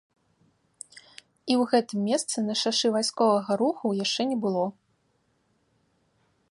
І ў гэтым месцы на шашы вайсковага руху яшчэ не было.